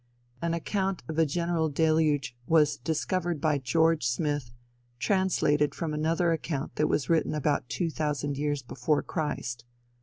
An account of a general deluge "was discovered by George Smith, translated from another account that was written about two thousand years before Christ."